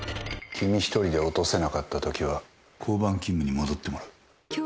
君１人で落とせなかった時は交番勤務に戻ってもらう。